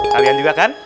kalian juga kan